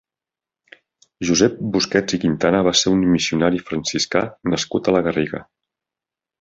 Josep Busquets i Quintana va ser un missionari franciscà nascut a la Garriga.